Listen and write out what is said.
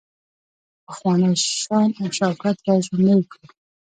پخوانی شان او شوکت را ژوندی کړو.